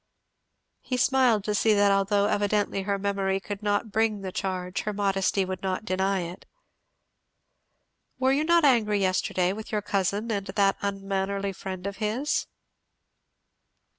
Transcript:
He smiled to see that although evidently her memory could not bring the charge, her modesty would not deny it. "Were you not angry yesterday with your cousin and that unmannerly friend of his?"